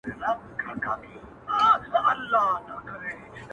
دادی ټکنده غرمه ورباندي راغله~